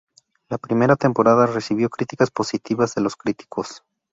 La primera temporada recibió críticas positivas de los críticos.